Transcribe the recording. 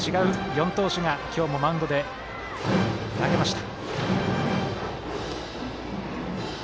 ４投手が今日もマウンドで投げました。